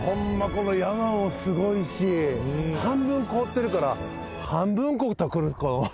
この山もすごいし半分凍ってるから半分こ。